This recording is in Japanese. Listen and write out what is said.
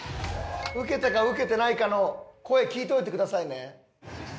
ウケたかウケてないかの声聞いといてくださいね。